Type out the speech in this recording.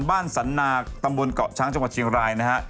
บ้านสันนาตำบลเกาะช้างจังหวัดเชียงรายนะฮะ